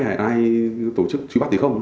hay ai tổ chức trú bắt thì không